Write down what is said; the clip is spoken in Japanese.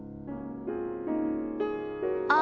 あ。